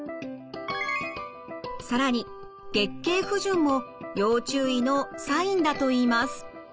更に月経不順も要注意のサインだといいます。